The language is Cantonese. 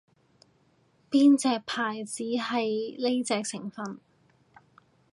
邊隻牌子係呢隻成份